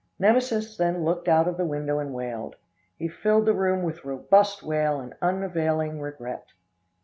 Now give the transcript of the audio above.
Nemesis then looked out of the window and wailed. He filled the room with robust wail and unavailing regret.